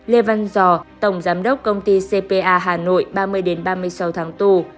lê văn giò tổng giám đốc công ty cpa hà nội ba mươi ba mươi sáu tháng tù